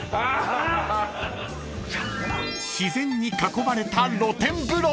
［自然に囲まれた露天風呂］